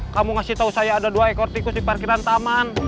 kamu kasih tahu saya ada dua ekor tikus di parkiran taman